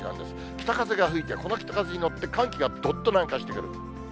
北風が吹いて、この北風に乗って寒気がどっと南下してくる。